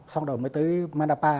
xong rồi mới tới mandapa